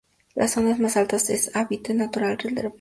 Las zonas más altas es hábitat natural del rebeco.